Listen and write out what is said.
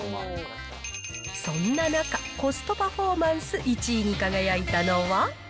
そんな中、コストパフォーマンス１位に輝いたのは。